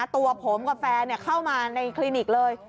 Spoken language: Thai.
ตัวผมกับแฟนเข้ามาในคลินิกเลย